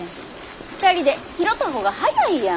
２人で拾た方が早いやん。